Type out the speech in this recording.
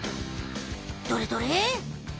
どれどれ？